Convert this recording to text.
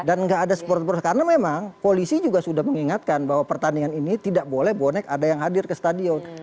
dan gak ada supporter supporter karena memang polisi juga sudah mengingatkan bahwa pertandingan ini tidak boleh bonek ada yang hadir ke stadion